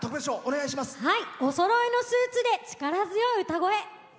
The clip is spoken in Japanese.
おそろいのスーツで力強い歌声。